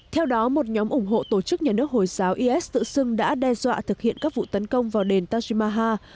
theo đó một nhóm ủng hộ tổ chức nhà nước hồi giáo is tự xưng đã đe dọa thực hiện các vụ tấn công vào đền tajimaha